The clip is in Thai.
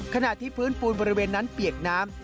ขณะที่พื้นปูนบริเวณนั้นเปียกน้ำ